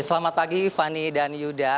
selamat pagi fani dan yuda